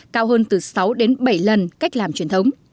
cao hơn từ sáu đến bảy lần cách làm truyền thống